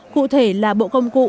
cụ thể là bộ công cụ